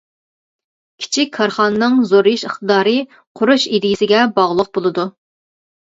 كىچىك كارخانىنىڭ زورىيىش ئىقتىدارى قۇرۇش ئىدىيەسىگە باغلىق بولىدۇ.